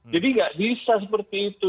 jadi nggak bisa seperti itu